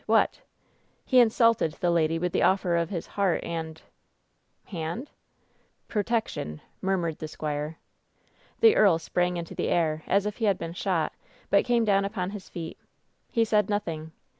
what ?" "He insulted the lady with the offer of his heart and " "Hand ?" "Protection!" murmured the squire. The earl sprang into the air as if he had been shot, but came down upon his feet. He said nothing.